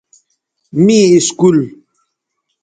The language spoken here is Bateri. می اسکول